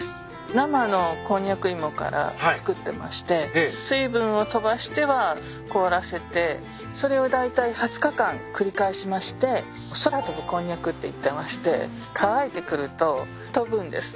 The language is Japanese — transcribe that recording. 生のコンニャク芋から作ってまして水分を飛ばしては凍らせてそれをだいたい二十日間繰り返しまして空飛ぶこんにゃくって言ってまして乾いてくると飛ぶんです。